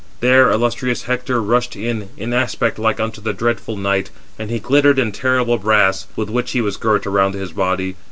There illustrious Hector rushed in, in aspect like unto the dreadful night; and he glittered in terrible brass, with which he was girt around his body.